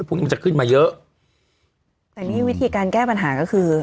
พวกนี้มันจะขึ้นมาเยอะแต่นี่วิธีการแก้ปัญหาก็คือ